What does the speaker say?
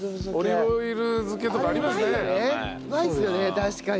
確かに。